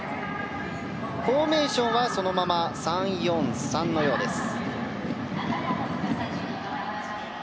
フォーメーションはそのまま３−４−３のようです。